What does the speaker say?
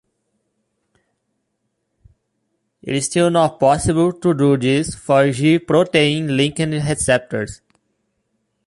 It is still not possible to do this for G protein-linked receptors.